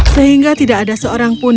sehingga tidak ada seorang pun